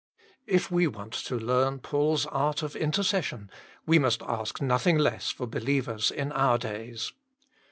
If we want to learn Paul s art of intercession, we must ask nothing less for believers in our days.